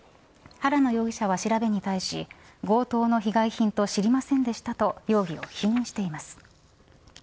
原野容疑者は調べに対し強盗の被害品と知りませんでしたと容疑を否認しています。